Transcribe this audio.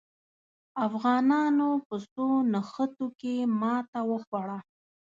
افغانانو په څو نښتو کې ماته وخوړه.